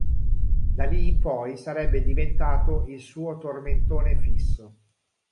Da lì in poi sarebbe diventato il suo tormentone fisso.